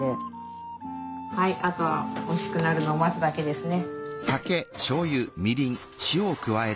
はいあとはおいしくなるのを待つだけですね。